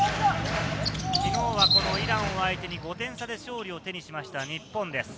昨日はイランを相手に５点差で勝利を手にしました日本です。